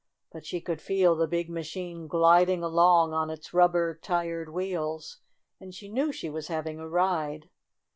But she could feel the big machine gliding along on its rub ber tired wheels, and she knew she was having a ride.